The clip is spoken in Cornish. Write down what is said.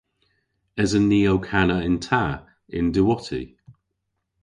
Esen ni ow kana yn ta y'n diwotti?